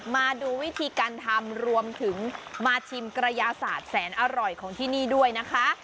มาดูวิธีการทำรวมถึงมาชิมกระยาศาสตร์แสนอร่อยของที่นี่ด้วยนะคะ